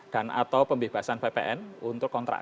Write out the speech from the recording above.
dan atau pembebasan ppn untuk kontrak